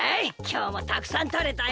きょうもたくさんとれたよ。